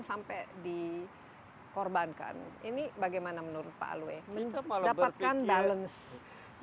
sampai dikorbankan ini bagaimana menurut pak aluwe kita malah berpikir dapatkan balance